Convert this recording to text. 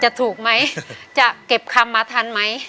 จะถูกไหมจะเก็บคำมาทันไหม